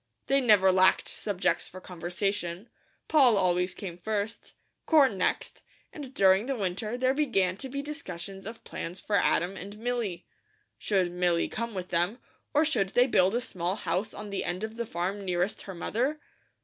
They never lacked subjects for conversation. Poll always came first, corn next, and during the winter there began to be discussion of plans for Adam and Milly. Should Milly come with them, or should they build a small house on the end of the farm nearest her mother?